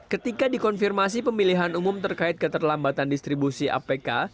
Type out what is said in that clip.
ketika dikonfirmasi pemilihan umum terkait keterlambatan distribusi apk